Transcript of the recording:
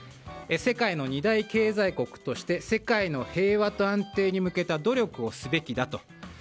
世界の二大経済国として世界の平和と安定に向けた努力をすべきだと。